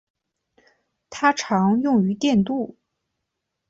它常用于电镀。